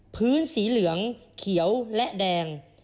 พื้นสีเหลืองเขียวและแดง